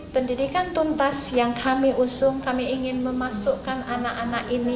pendidikan tuntas yang kami usung kami ingin memasukkan anak anak ini